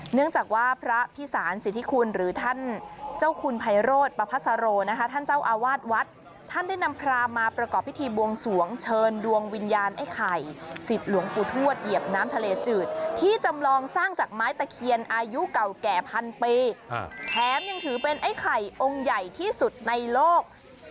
เนื่องจากว่าพระพิสารสิทธิคุณหรือท่านเจ้าคุณไพโรธประพัสโรนะคะท่านเจ้าอาวาสวัดท่านได้นำพรามมาประกอบพิธีบวงสวงเชิญดวงวิญญาณไอ้ไข่สิทธิ์หลวงปู่ทวดเหยียบน้ำทะเลจืดที่จำลองสร้างจากไม้ตะเคียนอายุเก่าแก่พันปีแถมยังถือเป็นไอ้ไข่องค์ใหญ่ที่สุดในโลก